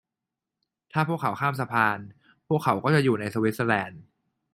ถ้าพวกเขาข้ามสะพาน พวกเขาก็จะอยู่ในสวิสเซอร์แลนด์